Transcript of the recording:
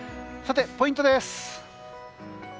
さて、ポイントです。